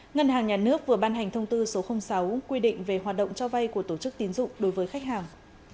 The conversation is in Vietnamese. ngân hàng nhà nước vừa ban hành thông tư số sáu quy định về hoạt động cho vay của tổ chức tiến dụng đối với khách hàng